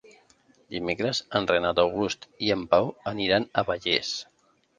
Dimecres en Renat August i en Pau aniran a Vallés.